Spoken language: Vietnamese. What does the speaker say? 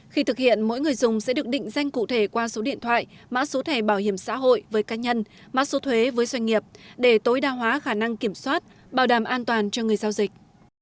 khi thực hiện mỗi người dùng sẽ được định danh cụ thể qua số điện thoại mã số thẻ bảo hiểm xã hội với cá nhân mã số thuế với doanh nghiệp để tối đa hóa khả năng kiểm soát bảo đảm an toàn cho người giao dịch